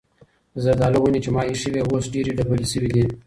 د زردالو ونې چې ما ایښې وې اوس ډېرې ډبلې شوې دي.